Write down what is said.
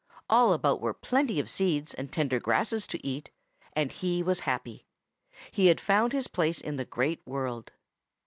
All about were plenty of seeds and tender grasses to eat, and he was happy. He had found his place in the Great World.